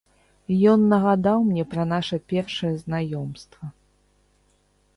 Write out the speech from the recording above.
Ён нагадаў мне пра наша першае знаёмства.